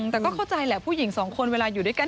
แต่ก็เข้าใจแหละผู้หญิงสองคนเวลาอยู่ด้วยกัน